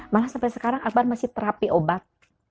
malah sampai sekarang akbar masih terapi obat